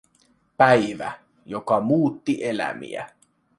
Päivä, joka muutti elämiä